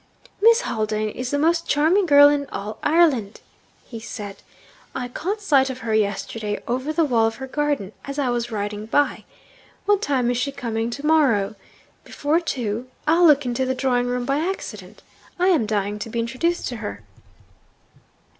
'Miss Haldane is the most charming girl in all Ireland!' he said. 'I caught sight of her yesterday, over the wall of her garden, as I was riding by. What time is she coming to morrow? Before two? I'll look into the drawing room by accident I am dying to be introduced to her!'